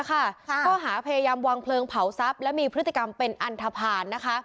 ข้อหาพยายามวางเพลิงเผาทรัพย์และมีพฤติกรรมเป็นอันทภาณ